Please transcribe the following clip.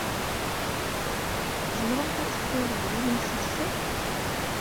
Tzemreḍ ad textireḍ yiwen seg-sen.